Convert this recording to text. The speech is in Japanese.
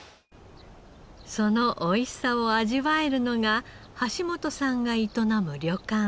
そのおいしさを味わえるのが橋本さんが営む旅館。